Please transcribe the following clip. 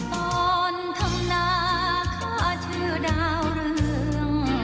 ตอนทั้งหน้าข้าชื่อดาวเรือง